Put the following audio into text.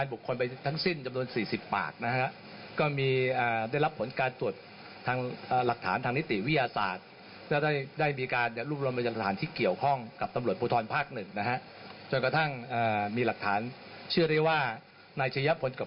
ทั้ง๕คนยังคงปฏิเสธทุกข้อกล่าวหาอยู่นะคะ